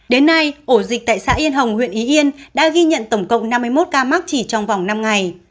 đến nay ổ dịch tại xã yên hồng huyện ý yên đã ghi nhận tổng cộng năm mươi một ca mắc chỉ trong vòng năm ngày